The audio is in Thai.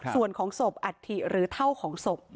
ส่วนของศพอัฐิหรือเท่าของศพ